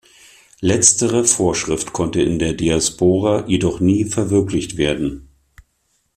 Letztere Vorschrift konnte in der Diaspora jedoch nie verwirklicht werden.